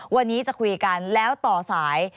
วันนี้จะคุยกันแล้วต่อสาย